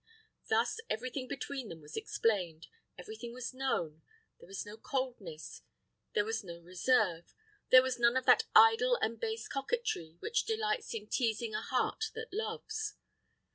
Thus everything between them was explained, everything was known: there was no coldness, there was no reserve, there was none of that idle and base coquetry which delights in teasing a heart that loves.